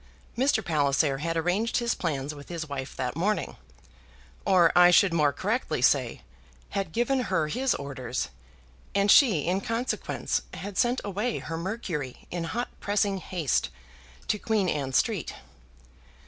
Mr. Palliser had arranged his plans with his wife that morning, or, I should more correctly say, had given her his orders, and she, in consequence, had sent away her Mercury in hot pressing haste to Queen Anne Street.